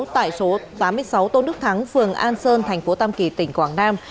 tại số tám mươi sáu tôn đức thắng phường an sơn thành phố tam kỳ tỉnh quảng nam